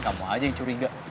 kamu aja yang curiga